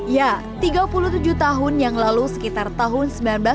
ya tiga puluh tujuh tahun yang lalu sekitar tahun seribu sembilan ratus sembilan puluh